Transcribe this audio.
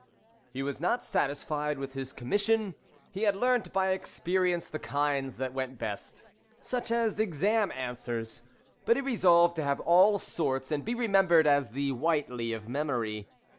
He was not satisfied with his commission. He had learnt by experience the kinds that went best, such as exam. answers, but he resolved to have all sorts and be remembered as the Whiteley of Memory.